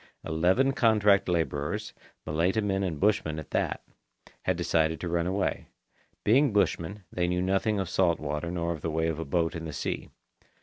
Eleven contract labourers, Malaita men and bushmen at that, had decided to run away. Being bushmen, they knew nothing of salt water nor of the way of a boat in the sea.